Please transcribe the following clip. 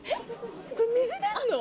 これ水出るの？